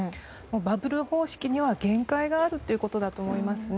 バブル方式には限界があるということだと思いますね。